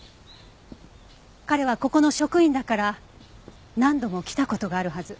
彼はここの職員だから何度も来た事があるはず。